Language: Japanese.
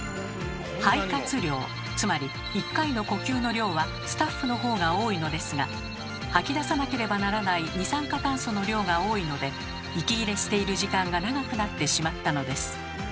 肺活量つまり１回の呼吸の量はスタッフのほうが多いのですが吐き出さなければならない二酸化炭素の量が多いので息切れしている時間が長くなってしまったのです。